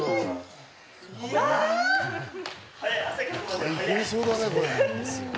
大変そうだね、これ。